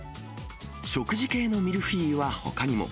食事系のミルフィーユはほかにも。